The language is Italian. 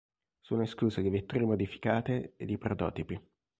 Sono escluse le vetture modificate ed i prototipi.